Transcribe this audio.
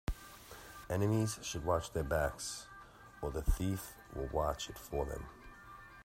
Enemies should watch their backs, or the thief will watch it for them.